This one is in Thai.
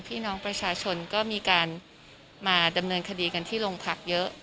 พี่น้องประชาชนก็มีการมาดำเนินคดีกันที่โรงพักเยอะ